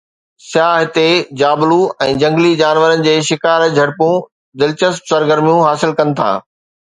سياح هتي جابلو ۽ جهنگلي جانورن جي شڪار جهڙيون دلچسپ سرگرميون حاصل ڪن ٿا.